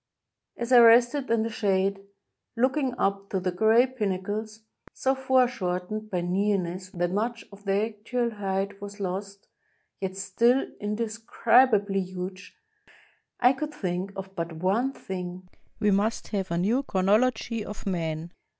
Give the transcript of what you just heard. As I rested in the shade, looking up to the gray pin nacles, so foreshortened by nearness that much of their actual height was lost, yet still indescribably huge, I could think of but one thing: we must have a new chronology of Man.